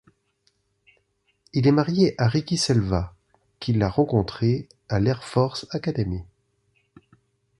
Il est marié à Ricki Selva qu'il a rencontrée à l'Air Force Academy.